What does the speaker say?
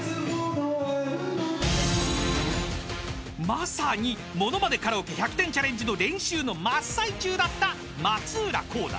［まさにものまねカラオケ１００点チャレンジの練習の真っ最中だった］